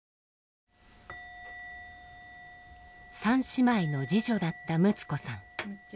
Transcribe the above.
３姉妹の次女だった睦子さん。